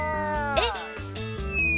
えっ？